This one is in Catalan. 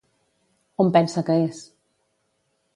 On pensa que és?